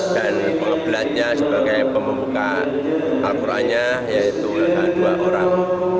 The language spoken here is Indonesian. dan pengebelatnya sebagai pembuka al qurannya yaitu dua orang